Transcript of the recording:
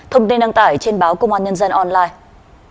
thông tin đăng tải trên báo công an nhân dân online